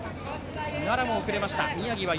奈良も遅れました。